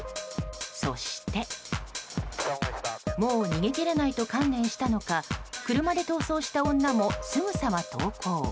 そしてもう逃げ切れないと観念したのか車で逃走した女もすぐさま投降。